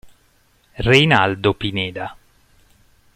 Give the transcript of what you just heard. Reinaldo Pineda